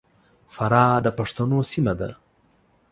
فراه د پښتنو سیمه ده.